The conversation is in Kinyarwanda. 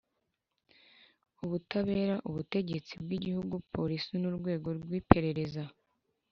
ubutabera, ubutegetsi bw'igihugu, polisi n'urwego rw'iperereza